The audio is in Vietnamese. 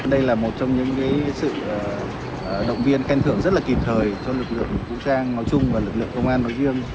đây là một trong những sự động viên khen thưởng rất là kịp thời cho lực lượng vũ trang nói chung và lực lượng công an nói riêng